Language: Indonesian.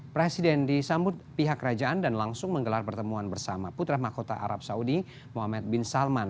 presiden disambut pihak kerajaan dan langsung menggelar pertemuan bersama putra mahkota arab saudi muhammad bin salman